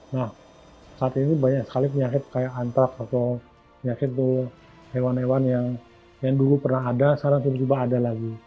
nah saat ini banyak sekali penyakit kayak antrak atau penyakit itu hewan hewan yang dulu pernah ada sekarang tiba tiba ada lagi